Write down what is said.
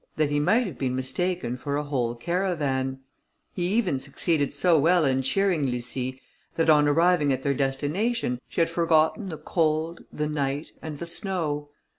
_" that he might have been mistaken for a whole caravan; he even succeeded so well in cheering Lucie, that, on arriving at their destination, she had forgotten the cold, the night, and the snow.